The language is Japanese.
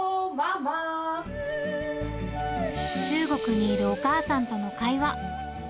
中国にいるお母さんとの会話。